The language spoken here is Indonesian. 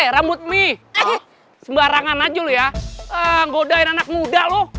rambut mie sembarangan aja ya ngodain anak muda lu